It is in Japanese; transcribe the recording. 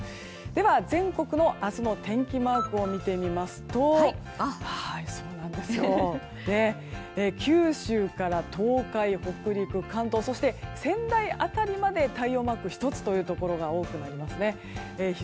では、全国の明日の天気マークを見てみますと九州から東海、北陸、関東そして仙台辺りまで太陽マーク１つというところが多くなりますね。